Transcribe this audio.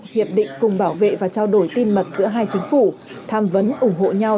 hiệp định cùng bảo vệ và trao đổi tin mật giữa hai chính phủ tham vấn ủng hộ nhau